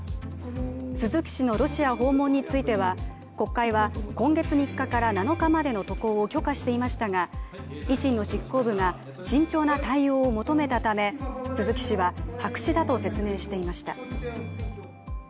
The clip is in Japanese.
鈴木氏のロシア訪問については国会は、今月３日から７日までの渡航を許可していましたが維新の執行部が慎重な対応を求めたため鈴木氏は白紙だと説明していました。